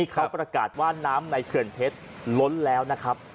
เขาประกาศว่าน้ำในเขื่อนเพชรล้นแล้วนะครับ